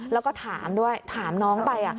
แล้วก็ถามด้วยถามน้องไป